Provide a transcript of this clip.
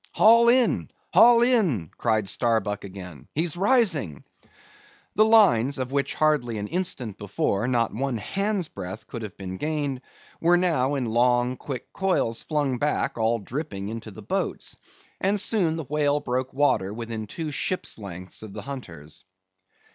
"Haul in! Haul in!" cried Starbuck again; "he's rising." The lines, of which, hardly an instant before, not one hand's breadth could have been gained, were now in long quick coils flung back all dripping into the boats, and soon the whale broke water within two ship's lengths of the hunters.